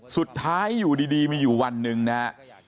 สุดท้ายอยู่ดีมีอยู่วันหนึ่งนะฮะ